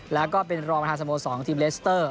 แล้วก็เป็นรองประธานสโมสรทีมเลสเตอร์